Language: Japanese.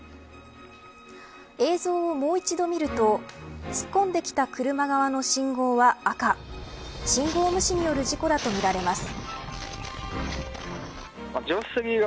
映像をもう一度見ると突っ込んできた車側の信号は赤信号無視による事故だとみられます。